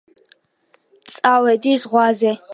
წავედი ზღვაზე